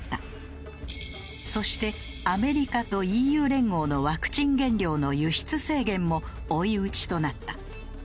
そしてアメリカとＥＵ連合のワクチン原料の輸出制限も追い打ちとなった。